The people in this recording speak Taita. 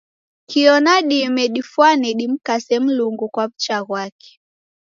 Kio na dime yadifwane dimkase Mlungu kwa w'ucha ghwape.